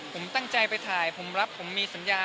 ผมตั้งใจไปถ่ายผมรับผมมีสัญญา